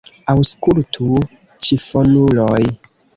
Aŭskultu, ĉifonuloj!